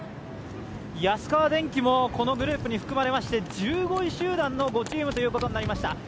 安川電機もこのグループに含まれまして１５位集団の５チームとなりました。